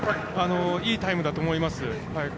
いいタイムだと思います。